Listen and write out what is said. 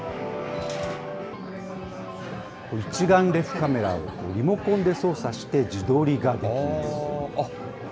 これ、一眼レフカメラをリモコンで操作して、自撮りができます。